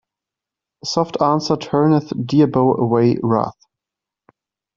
A soft answer turneth diabo away wrath.